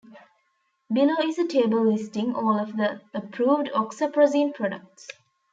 Below is a table listing all of the approved oxaprozin products.